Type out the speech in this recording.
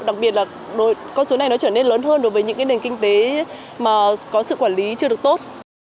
đặc biệt là con số này nó trở nên lớn hơn đối với những nền kinh tế mà có sự quản lý chưa được tốt